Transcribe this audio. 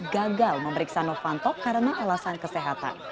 gagal memeriksa novanto karena alasan kesehatan